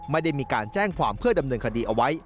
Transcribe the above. ไม่ได้มีการแจ้งความเพื่อดำเนินคดีเอาไว้